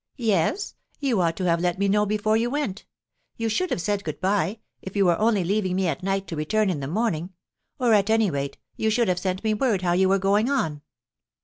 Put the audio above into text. "Yes, you ought to have let me know before you went. You should have said 'good bye,' if you were only leaving me at night to return in the morning; or, at any rate, you should have sent me word how you were going on."